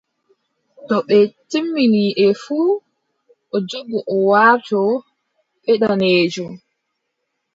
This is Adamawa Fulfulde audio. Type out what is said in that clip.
To ɓe timmini e fuu, o jogo o warto ɓe daneejo.